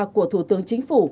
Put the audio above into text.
của thủ tướng chính phủ